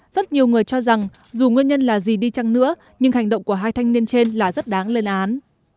rất nhiều người cho rằng dù nguyên nhân là gì đi chăng nữa nhưng hành động của hai thanh niên trên là rất đáng lên án